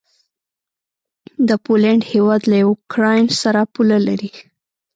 د پولينډ هيواد له یوکراین سره پوله لري.